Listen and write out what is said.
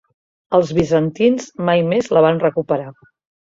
Els bizantins mai més la van recuperar.